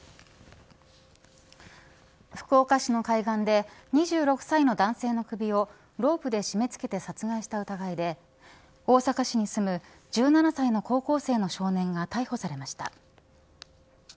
福岡市の海岸で２６歳の男性の首をロープで締め付けて殺害した疑いで大阪市に住む１７歳の高校生の少年が逮捕されました。